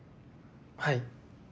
はい。